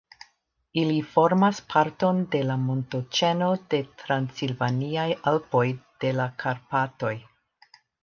Ili formas parton de la montoĉeno de Transilvaniaj Alpoj de la Karpatoj.